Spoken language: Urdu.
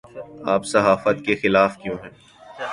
آپ صحافت کے خلاف کیوں ہیں